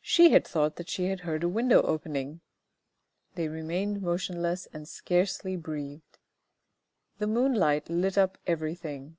She had thought that she had heard a window opening. They remained motionless and scarcely breathed. The moonlight lit up everything.